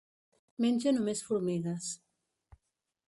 Menja només formigues.